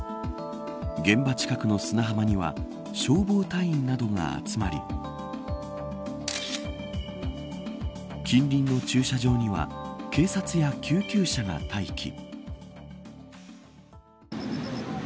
現場近くの砂浜には消防隊員などが集まり近隣の駐車場には警察や救急車が待機。